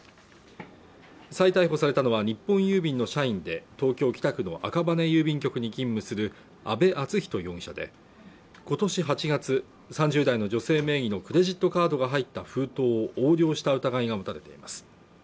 再逮捕されたのは日本郵便の社員で東京北区の赤羽郵便局に勤務する阿部淳一容疑者で今年８月３０代の女性名義のクレジットカードが入った封筒を横領した疑いが持たれています